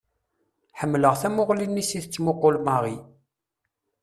Ḥemmleɣ tamuɣli-nni s i tettmuqqul Mary.